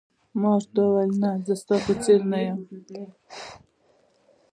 ما ورته وویل: نه، زه ستا په څېر نه یم.